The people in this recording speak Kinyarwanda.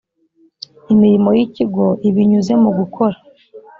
imirimo y’ Ikigo ibinyuze mu gukora.